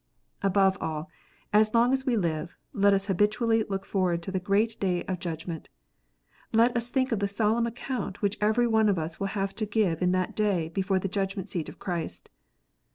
Above all, as long as we live, let us habitually look forward to the great day of judgment. Let us think of the solemn account which every one of us will have to give in that day before the judgment seat of Christ.